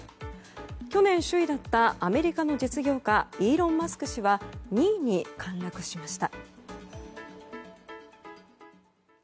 去年首位だったアメリカの実業家イーロン・マスク氏は２位に陥落しました。